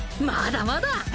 まだまだ！